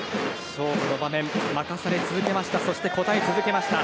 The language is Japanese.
勝負の場面を任され続けました